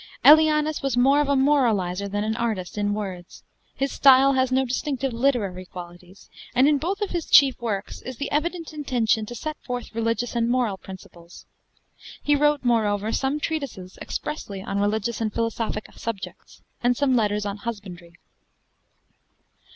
Aelianus was more of a moralizer than an artist in words; his style has no distinctive literary qualities, and in both of his chief works is the evident intention to set forth religious and moral principles. He wrote, moreover, some treatises expressly on religious and philosophic subjects, and some letters on husbandry.